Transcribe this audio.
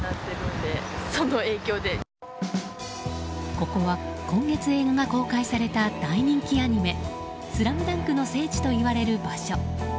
ここは今月、映画が公開された大人気アニメ「スラムダンク」の聖地といわれる場所。